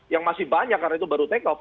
yang masih banyak karena itu baru take off